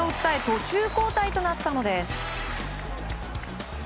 途中交代となったのです。